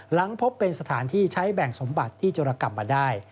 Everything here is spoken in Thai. หลังพบเป็นสถานที่ใช้แบ่งสมบัติที่จรกรรมมาได้